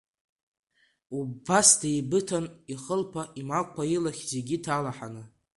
Убас деибыҭан, ихылԥа, имагәқәа, илахь зегьы ҭалаҳаны.